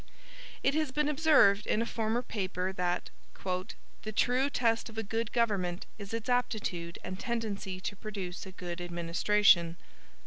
It has been observed in a former paper, that "the true test of a good government is its aptitude and tendency to produce a good administration."